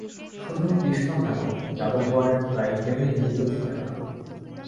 শুধু কৃষ্ণ কেন, যাদবগণের প্রায় কেহই জীবিত ছিলেন না।